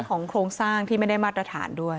โครงสร้างที่ไม่ได้มาตรฐานด้วย